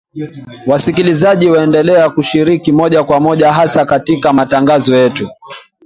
Wasikilizaji waendelea kushiriki moja kwa moja hasa katika matangazo yetu